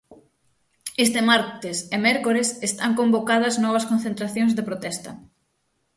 Este martes e mércores están convocadas novas concentracións de protesta.